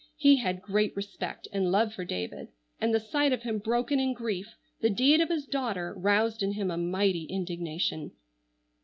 He had great respect and love for David, and the sight of him broken in grief, the deed of his daughter, roused in him a mighty indignation.